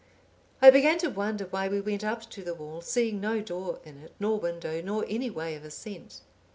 I began to wonder why we went up to the wall, seeing no door in it, nor window, nor any way of ascent.